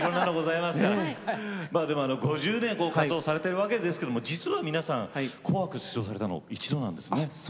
５０年活動されてるわけですけど実は皆さん、「紅白」出場されたの一度なんですね。